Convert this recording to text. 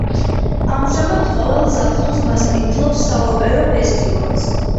ამჟამად, ყოველ ზაფხულს მასპინძლობს საოპერო ფესტივალს.